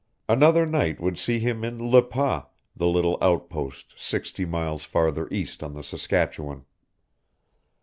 Another night would see him in Le Pas, the little outpost sixty miles farther east on the Saskatchewan.